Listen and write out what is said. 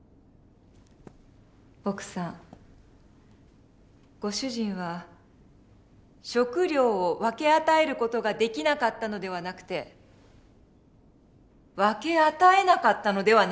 奥さんご主人は食料を分け与える事ができなかったのではなくて分け与えなかったのではないですか？